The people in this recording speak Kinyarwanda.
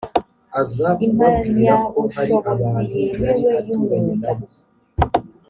impamyabushobozi yemewe y umwuga